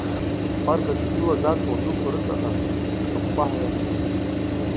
Апарк аҿы игылаз аҵла дуқәа рыҵаҟа аԥша ахәхәаҳәа иасуан.